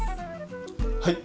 はい？